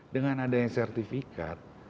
dengan adanya sertifikat